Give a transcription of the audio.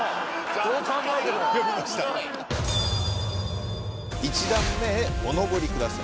どう考えても１段目へお上りください